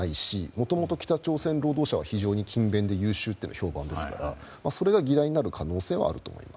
もともと北朝鮮労働者は非常に勤勉で優秀と評判ですからそれが議題になる可能性はあると思います。